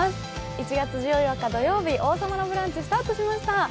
１月１４日土曜日、「王様のブランチ」スタートしました。